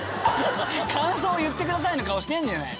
感想を言ってくださいの顔してるじゃない。